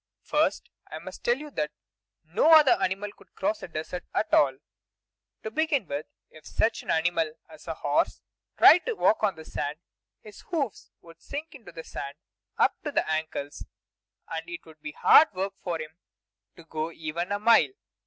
First, I must tell you that no other animal could cross a desert at all. To begin with, if such an animal as a horse tried to walk on the sand, his hoofs would sink into the sand up to the ankles, and it would be hard work for him to go even a mile.